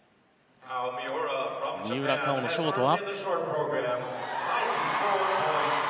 三浦佳生のショートは９４．９６！